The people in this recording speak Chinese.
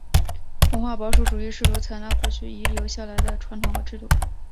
文化保守主义试图采纳过去遗留下来的传统和制度。